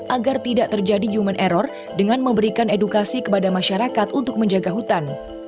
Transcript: agar tidak terjadi human error dengan memberikan edukasi kepada masyarakat untuk menjaga hutan